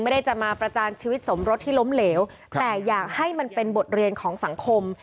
ไม่ได้จะมาประจานชีวิตสมรสที่ล้มเหลวแต่อยากให้มันเป็นบทเรียนของสังคม